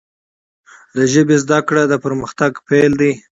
د ژبي زده کړه، د پرمختګ پیل دی.